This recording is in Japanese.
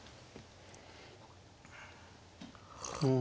うん。